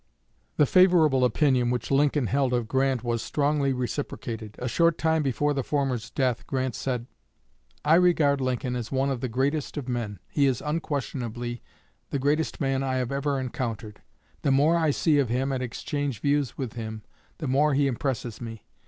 The favorable opinion which Lincoln held of Grant was strongly reciprocated. A short time before the former's death, Grant said: "I regard Lincoln as one of the greatest of men. He is unquestionably the greatest man I have ever encountered. The more I see of him and exchange views with him, the more he impresses me.